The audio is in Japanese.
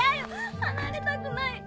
離れたくない！